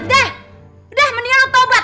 dah dah mendingan lu tobat tobat